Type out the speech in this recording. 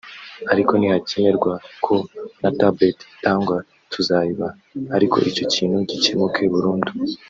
Ariko nihakenerwa ko na tablet itangwa tuzayibaha ariko icyo kintu gikemuke burundu